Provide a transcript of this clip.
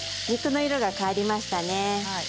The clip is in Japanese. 肉の色が変わりましたね。